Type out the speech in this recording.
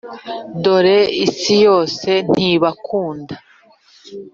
Dore isi yose ntibakunda